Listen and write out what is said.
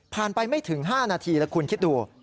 ไปไม่ถึง๕นาทีแล้วคุณคิดดู